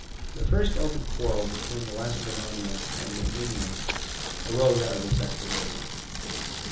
The first open quarrel between the Lacedaemonians and Athenians arose out of this expedition.